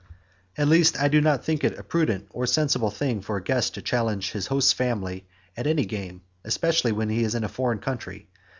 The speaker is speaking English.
At least I do not think it a prudent or a sensible thing for a guest to challenge his host's family at any game, especially when he is in a foreign country.